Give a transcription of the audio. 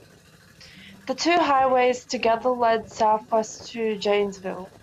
The two highways together lead southwest to Janesville.